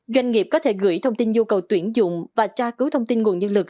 doanh nghiệp có thể gửi thông tin nhu cầu tuyển dụng và tra cứu thông tin nguồn nhân lực